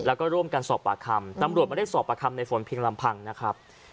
แล้วก็ร่วมกันสอบปากคำตำรวจไม่ได้สอบประคำในฝนเพียงลำพังนะครับ